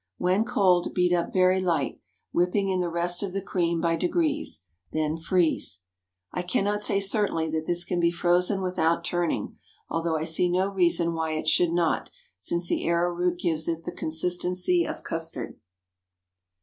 When cold, beat up very light, whipping in the rest of the cream by degrees. Then freeze. I cannot say certainly that this can be frozen without turning, although I see no reason why it should not, since the arrowroot gives it the consistency of custard.